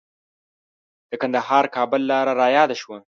د کندهار-کابل لاره رایاده شوه.